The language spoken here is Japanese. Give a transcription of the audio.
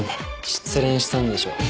失恋したんでしょ。